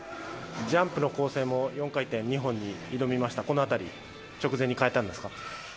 ジャンプの構成も４回転２本に変えましたがこの辺り直前に変えたんですか？